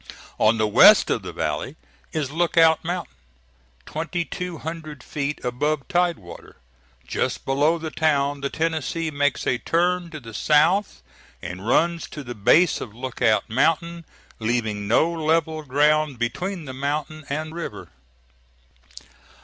On the west of the valley is Lookout Mountain, twenty two hundred feet above tide water. Just below the town the Tennessee makes a turn to the south and runs to the base of Lookout Mountain, leaving no level ground between the mountain and river.